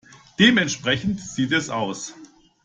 Dementsprechend sieht es aus.